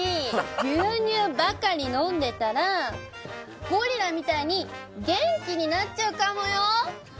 牛乳ばかり飲んでたら、ゴリラみたいに元気になっちゃうかもよ。